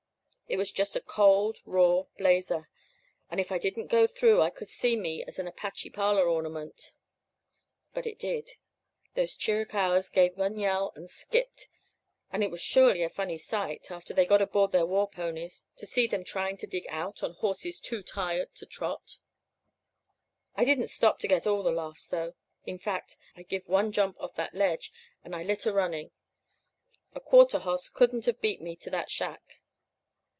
"It was just a cold, raw blazer; and if it didn't go through I could see me as an Apache parlor ornament. But it did. Those Chiricahuas give one yell and skipped. It was surely a funny sight, after they got aboard their war ponies, to see them trying to dig out on horses too tired to trot. "I didn't stop to get all the laughs, though. In fact, I give one jump off that ledge, and I lit a running. A quarter hoss couldn't have beat me to that shack.